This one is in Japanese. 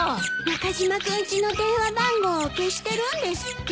中島君ちの電話番号を消してるんですって。